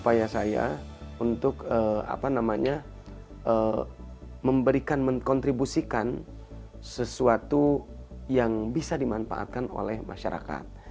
permainan tradisional bagi saya sebagai upaya saya untuk memberikan mengkontribusikan sesuatu yang bisa dimanfaatkan oleh masyarakat